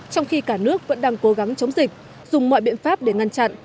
trong khi cả nước vẫn đang cố gắng chống dịch dùng mọi biện pháp để ngăn chặn